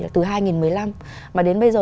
là từ hai nghìn một mươi năm mà đến bây giờ